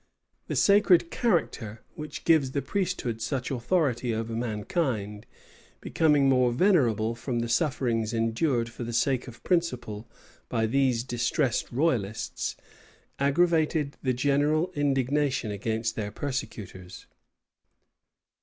The sacred character, which gives the priesthood such authority over mankind, becoming more venerable from the sufferings endured for the sake of principle by these distressed royalists, aggravated the general indignation against their persecutors.